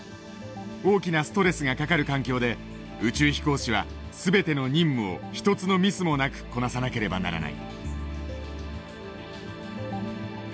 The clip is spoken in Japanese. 大きなストレスがかかる環境で宇宙飛行士は全ての任務を一つのミスもなくこなさなければならない。